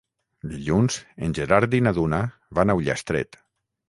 Dilluns en Gerard i na Duna van a Ullastret.